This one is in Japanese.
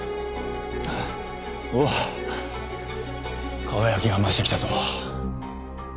ハァおお輝きが増してきたぞ！